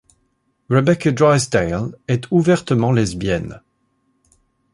Rebecca Drysdale est ouvertement lesbienne.